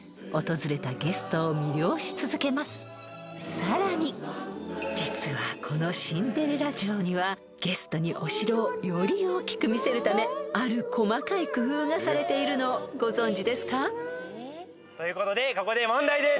［さらに実はこのシンデレラ城にはゲストにお城をより大きく見せるためある細かい工夫がされているのをご存じですか？］ということでここで問題です。